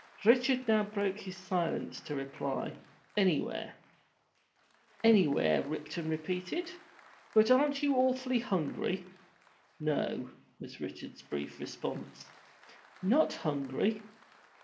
Richard now broke his silence to reply, "Anywhere." "Anywhere!" Ripton repeated, "but aren't you awful hungry?" "No," was Richard's brief response. "Not hungry!"